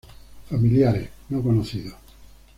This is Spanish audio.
Familiares: No conocidos.